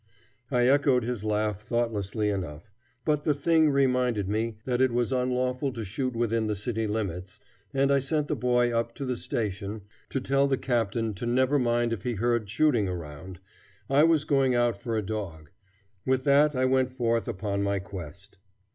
I echoed his laugh thoughtlessly enough; but the thing reminded me that it was unlawful to shoot within the city limits, and I sent the boy up to the station to tell the captain to never mind if he heard shooting around: I was going out for a dog. With that I went forth upon my quest.